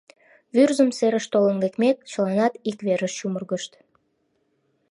Вӱрзым серыш толын лекмек, чыланат ик верыш чумыргышт.